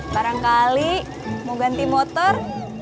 barangkali mau ganti motor